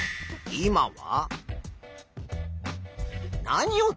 今は？